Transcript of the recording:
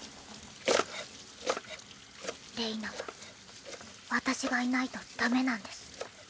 れいなは私がいないとダメなんです。